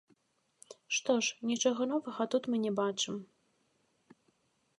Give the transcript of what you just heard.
Што ж, нічога новага тут мы не бачым.